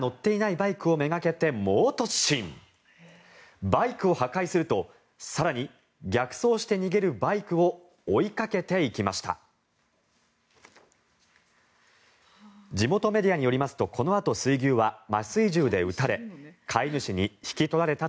バイクを破壊すると更に、逆走して逃げるバイクを追いかけていきました。